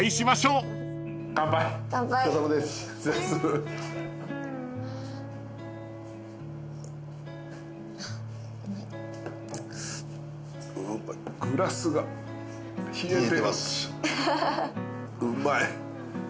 うまい！